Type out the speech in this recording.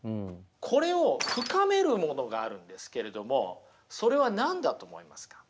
これを深めるものがあるんですけれどもそれは何だと思いますか？